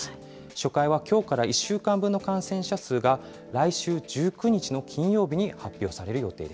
初回はきょうから１週間分の感染者数が来週１９日の金曜日に発表